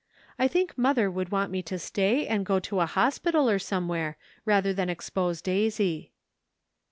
I think mother would want me to stay and go to a hospital or some where, rather than expose Daisy."